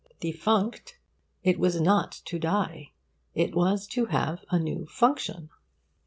Defunct, it was not to die. It was to have a new function.